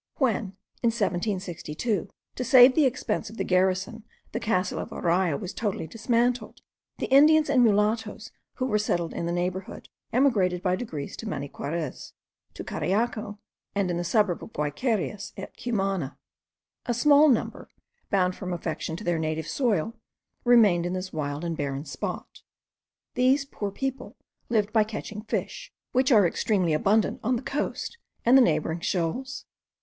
When, in 1762, to save the expense of the garrison, the castle of Araya was totally dismantled, the Indians and Mulattoes who were settled in the neighbourhood emigrated by degrees to Maniquarez, to Cariaco, and in the suburb of the Guayquerias at Cumana. A small number, bound from affection to their native soil, remained in this wild and barren spot. These poor people live by catching fish, which are extremely abundant on the coast and the neighbouring shoals.